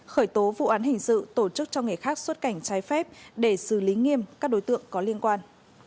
khởi tố vụ án hình sự tổ chức cho người khác xuất cảnh trái phép để xử lý nghiêm các đối tượng có liên quan